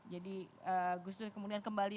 jadi gus dur kemudian kembali